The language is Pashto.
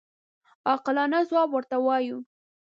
عاقلانه ځواب ورته ووایو.